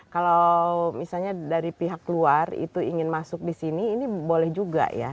kalau misalnya dari pihak luar itu ingin masuk di sini ini boleh juga ya